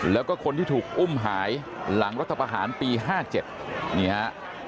แล้วก็คนที่ถูกอุ้มหายหลังรัฐประหารปี๕๗นี่ฮะ